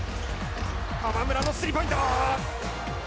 河村のスリーポイント。